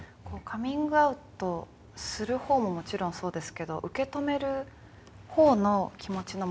カミングアウトする方ももちろんそうですけど受け止める方の気持ちの持ち方だったりですとか。